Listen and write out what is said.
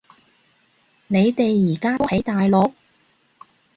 你哋而家都喺大陸？